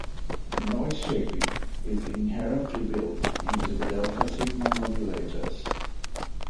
Noise Shaping is inherently built into the delta-sigma modulators.